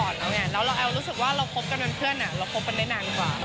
เราพบกันได้นานกว่า